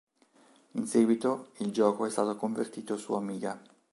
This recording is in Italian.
In seguito, il gioco è stato convertito su Amiga.